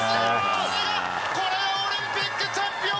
これがオリンピックチャンピオン！